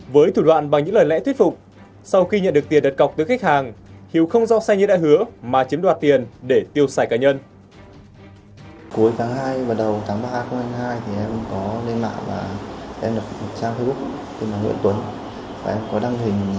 với thủ đoạn bằng những lời lẽ thuyết phục sau khi nhận được tiền đặt cọc tới khách hàng hiếu không giao xe như đã hứa mà chiếm đoạt tiền để tiêu xài cá nhân